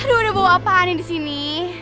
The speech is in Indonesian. aduuuh udah bau apaan nih disini